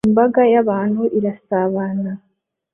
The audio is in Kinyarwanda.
Imbaga y'abantu irasabana